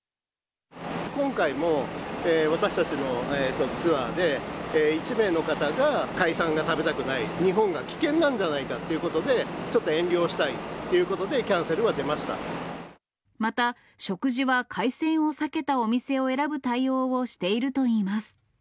今回も、私たちのツアーで、１名の方が海産が食べたくない、日本が危険なんじゃないかっていうことで、ちょっと遠慮したいということで、キャンセルは出ましまた、食事は、海鮮を避けたお店を選ぶ対応をしているといいます。